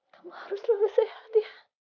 kamu harus lebih sehat ya